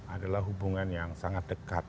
adalah hubungan yang sangat dekat